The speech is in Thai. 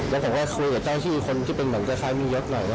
แล้วผมก็คุยกับเจ้าที่คนที่เป็นเหมือนคล้ายมียศหน่อย